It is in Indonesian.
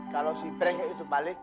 kalau si brengnya itu balik